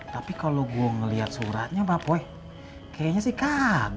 tapi kalo gua ngeliat suratnya pak poi kayaknya sih kagak